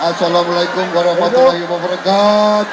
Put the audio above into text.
assalamualaikum warahmatullahi wabarakatuh